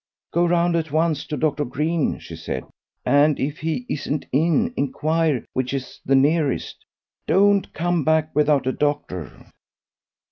"Go round at once to Doctor Green," she said; "and if he isn't in inquire which is the nearest. Don't come back without a doctor."